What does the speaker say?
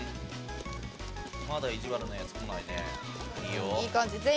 いい感じ。